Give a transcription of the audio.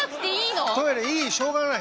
トイレいいしょうがない。